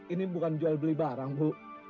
ini bukan jual beli barang bu